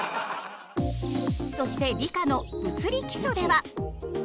そして理科の「物理基礎」では。